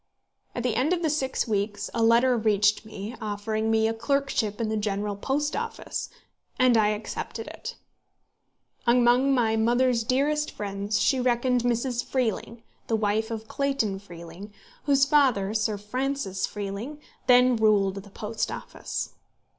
At the end of the six weeks a letter reached me, offering me a clerkship in the General Post Office, and I accepted it. Among my mother's dearest friends she reckoned Mrs. Freeling, the wife of Clayton Freeling, whose father, Sir Francis Freeling, then ruled the Post Office.